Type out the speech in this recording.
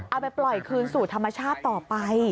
เอาไปปล่อยคืนสู่ธรรมชาติต่อไป